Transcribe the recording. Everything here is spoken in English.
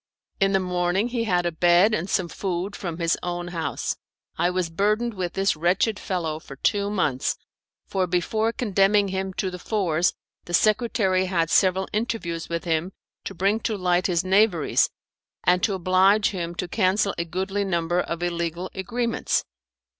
In the morning he had a bed and some food from his own house. I was burdened with this wretched fellow for two months, for before condemning him to the Fours the secretary had several interviews with him to bring to light his knaveries, and to oblige him to cancel a goodly number of illegal agreements.